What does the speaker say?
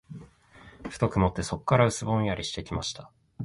ふと曇って、そこらが薄ぼんやりしてきました。